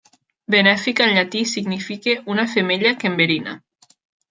"Venefica" en llatí significa "una femella que enverina".